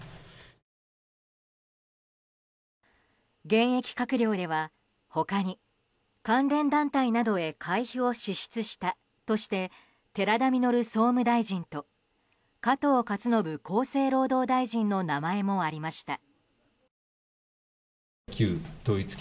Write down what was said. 現役閣僚では、他に関連団体などへ会費を支出したとして寺田稔総務大臣と加藤勝信厚生労働大臣の名前もありました。